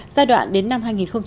giai đoạn đến năm hai nghìn hai mươi